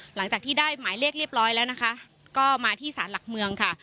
หลังจากที่ได้หมายเรียกเรียบร้อยแล้วนะคะก็มาที่สารหลักเมืองค่ะ